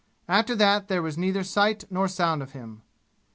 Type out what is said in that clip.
After that there was neither sight nor sound of him.